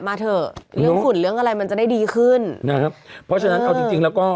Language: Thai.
มาเถอะเรื่องฝุ่นเรื่องอะไรมันจะได้ดีขึ้นนะครับเพราะฉะนั้นเอาจริงจริงแล้วก็